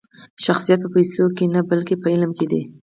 شخصیت په پیسو کښي نه؛ بلکي په علم کښي دئ.